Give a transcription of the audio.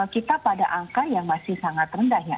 kita pada angka yang masih sangat rendah ya